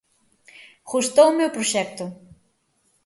Gustoume o proxecto.